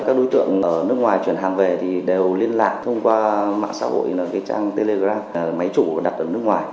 các đối tượng ở nước ngoài chuyển hàng về thì đều liên lạc thông qua mạng xã hội là trang telegram máy chủ đặt ở nước ngoài